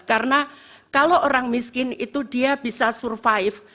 karena kalau orang miskin itu dia bisa survive